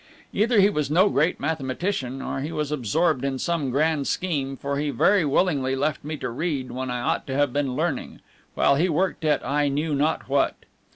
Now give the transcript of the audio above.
Either he was no great mathematician, or he was absorbed in some grand scheme, for he very willingly left me to read when I ought to have been learning, while he worked at I knew not what.